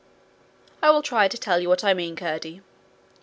I will try to tell you what I mean, Curdie.